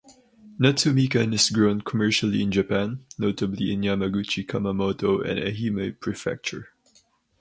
Natsumikan is grown commercially in Japan, notably in Yamaguchi, Kumamoto and Ehime prefecture.